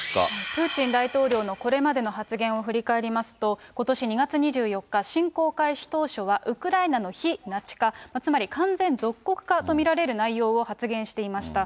プーチン大統領のこれまでの発言を振り返りますと、ことし２月２４日、侵攻開始当初はウクライナの非ナチ化、つまり完全属国化と見られる内容を発言していました。